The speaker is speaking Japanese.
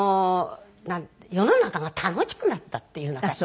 世の中が楽しくなったっていうのかしら。